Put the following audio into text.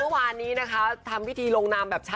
ว่านี้โดยพิงสาคา